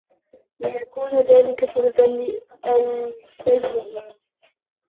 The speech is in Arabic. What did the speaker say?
لِيَكُونَ ذَلِكَ سَبَبًا لِأُلْفَتِهِمْ